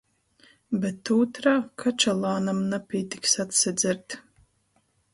Bet ūtrā — kačalānam napītiks atsadzert.